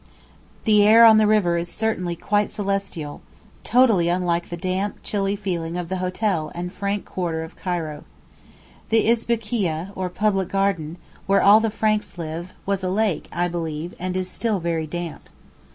The air on the river is certainly quite celestial—totally unlike the damp, chilly feeling of the hotel and Frank quarter of Cairo. The Isbekeeyeh, or public garden, where all the Franks live, was a lake, I believe, and is still very damp.